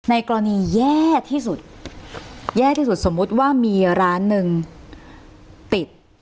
กรณีแย่ที่สุดแย่ที่สุดสมมุติว่ามีร้านหนึ่งติด